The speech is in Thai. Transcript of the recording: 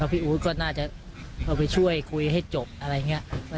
พี่อู๊ดก็น่าจะเอาไปช่วยคุยให้จบอะไรอย่างนี้